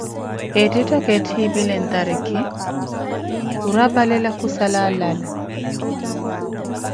Ettettaka etthipile ntarikhi, khurapalela khusala alala.